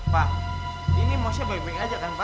pak ini mosnya baik baik aja kan pak